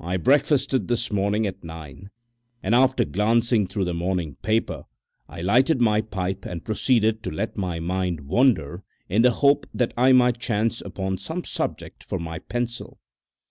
I breakfasted this morning at nine, and after glancing through the morning paper I lighted my pipe and proceeded to let my mind wander in the hope that I might chance upon some subject for my pencil.